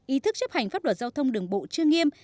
ý thức chấp hành pháp luật giao thông đường bộ chưa nghiêm